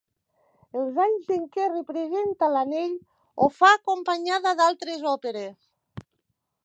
Els anys en què representa l'Anell, ho fa acompanyada d'altres òperes.